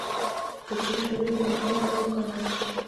د کچالو شیره د معدې لپاره وکاروئ